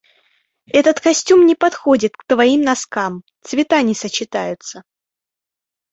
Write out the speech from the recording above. Этот костюм не подходит к твоим носкам. Цвета не сочетаются.